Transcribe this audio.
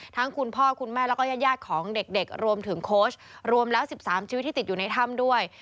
คุณพ่อคุณแม่แล้วก็ญาติของเด็กรวมถึงโค้ชรวมแล้ว๑๓ชีวิตที่ติดอยู่ในถ้ำด้วย